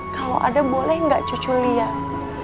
kalau ada boleh gak cucu lihat